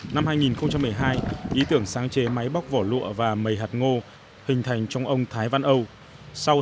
năm hai nghìn một mươi hai ý tưởng sáng chế máy bóc vỏ lụa và mầy hạt ngô hình thành trong ông thái văn âu